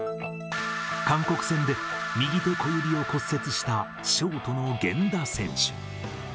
韓国戦で右手小指を骨折したショートの源田選手。